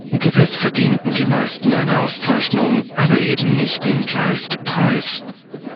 Gewiss verdienten die meisten eine Auszeichnung, aber eben nicht den Kleist-Preis.